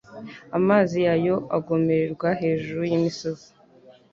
amazi yayo agomererwa hejuru y’imisozi